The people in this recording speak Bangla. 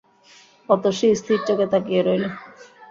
অতসী স্থির চোখে তাকিয়ে রইল।